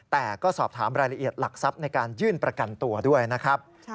แต่ก็สอบถามรายละเอียดหลักทรัพย์ในการยื่นประกันตัวด้วยนะครับ